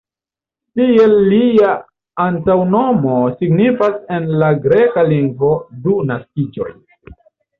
Tiel lia antaŭnomo signifas en la greka lingvo "du naskiĝoj".